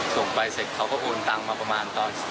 ส่งไปเสร็จเขาก็โอนตังมาประมาณตอน